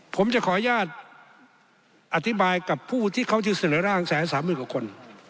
ผมจะขออนุญาตอธิบายกับผู้ที่เขาชื่อเสนอร่าง๑๓๐๐๐๐กว่าคน